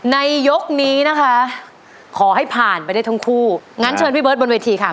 ในยกนี้นะคะขอให้ผ่านไปได้ทั้งคู่งั้นเชิญพี่เบิร์ดบนเวทีค่ะ